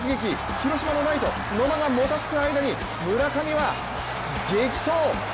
広島のライト・野間がもたつく間に、村上は激走。